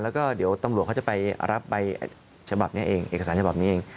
แล้วก็เดี๋ยวตำรวจเขาจะไปรับใบฉบับนี้เองเอกสารฉบับนี้เอง